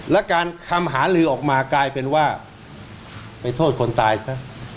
และการคำหาลือออกมากลายเป็นว่าไปโทษคนตายซะ